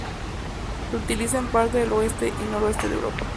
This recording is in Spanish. Se utiliza en parte del oeste y noroeste de Europa.